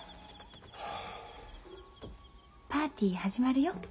パーティー始まるよ。